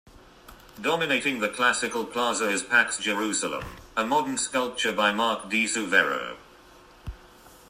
Dominating the classical plaza is "Pax Jerusalemme," a modern sculpture by Mark di Suvero.